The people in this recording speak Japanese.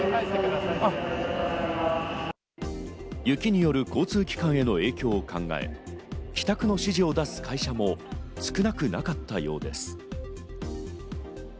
雪による交通機関への影響を考え、帰宅の指示を出す会社も少なくなかったようです。